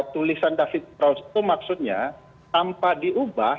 tulisan david praus itu maksudnya tanpa diubah